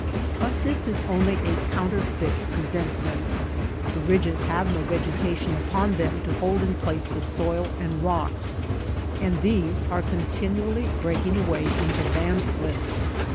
But this is only a counter feit presentment. The ridges have no vegetation upon them to hold in place the soil and rocks and these are continually breaking away into land slips.